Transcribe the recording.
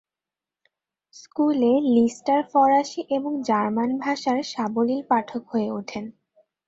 স্কুলে, লিস্টার ফরাসি এবং জার্মান ভাষার সাবলীল পাঠক হয়ে ওঠেন।